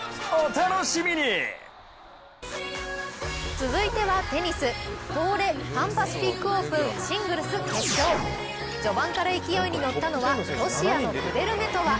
続いてはテニス東レパンパシフィックオープンシングルス決勝序盤から勢いに乗ったのはロシアのクデルメトワ。